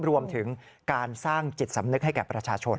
รวมถึงการสร้างจิตสำนึกให้แก่ประชาชน